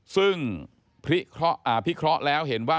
ซึ่งพิเคราะห์แล้วเห็นว่า